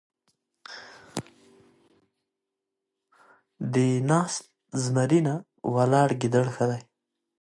د ناست زمري نه ، ولاړ ګيدړ ښه دی.